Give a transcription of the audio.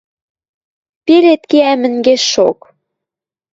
Пелед кеӓ мӹнгешок